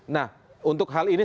nah untuk hal ini